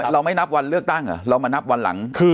เราไม่นับวันเลือกตั้งเหรอเรามานับวันหลัง